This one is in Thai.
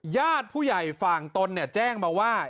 ญาติผู้ใหญ่ฝั่งตนแจ้งมาว่า